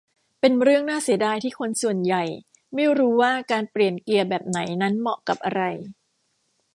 เป็นเรื่องน่าเสียดายที่คนส่วนใหญ่ไม่รู้ว่าการเปลี่ยนเกียร์แบบไหนนั้นเหมาะกับอะไร